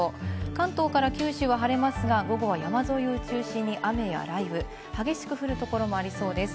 関東から九州は晴れますが、午後は山沿いを中心に雨や雷雨、激しく降るところもありそうです。